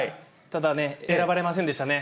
ただね、選ばれませんでしたね、